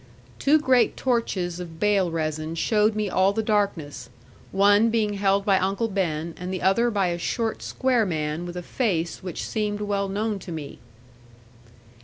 Two great torches of bale resin showed me all the darkness, one being held by Uncle Ben and the other by a short square man with a face which seemed well known to me.